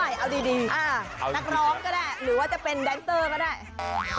มอลำคลายเสียงมาแล้วมอลำคลายเสียงมาแล้ว